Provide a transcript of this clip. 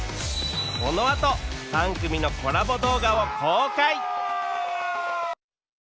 このあと３組のコラボ動画を公開